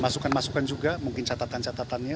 masukan masukan juga mungkin catatan catatannya